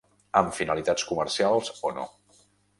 Amb finalitats comercials o no.